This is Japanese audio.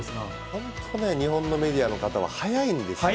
本当ね、日本のメディアの方は早いんですよ。